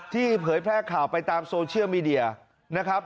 เผยแพร่ข่าวไปตามโซเชียลมีเดียนะครับ